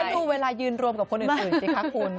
ดูเวลายืนรวมกับคนอื่นสิคะคุณ